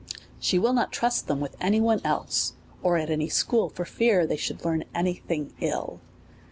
She will not trust them with any one else, or at any school, for fear they should learn any thing ill.